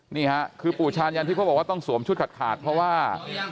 นี่ค่ะคือปู่ชาญยันที่เขาบอกว่าต้องสวมชุดขาดเพราะว่า